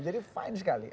jadi fine sekali